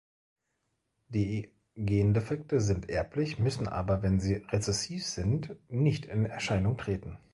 Die Gendefekte sind erblich, müssen aber, wenn sie rezessiv sind, nicht in Erscheinung treten.